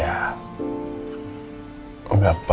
papa tuh gak bermaksud lupa